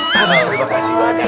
terima kasih banyak